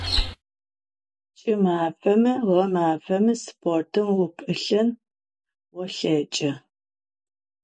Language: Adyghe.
Ç'ımafemi ğemafemi sportım vupılhın volheç'ı.